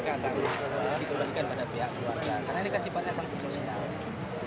karena ini kasih pada sanksi sosial